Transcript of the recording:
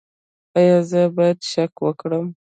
ایا زه باید شک وکړم؟